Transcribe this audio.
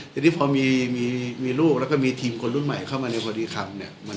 ทีนี้พอมีลูกแล้วก็มีทีมคนรุ่นใหม่เข้ามาในพอดีคำเนี่ย